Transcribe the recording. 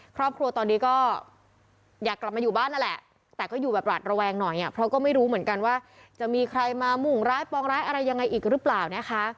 ครอบครัวตอนนี้ก็อยากกลับมาอยู่บ้านนั่นแหละแต่ก็อยู่แบบหวาดระแวงหน่อยเพราะก็ไม่รู้เหมือนกันว่าจะมีใครมามุ่งร้ายปองร้ายอะไรยังไงอีกหรือเปล่านะคะ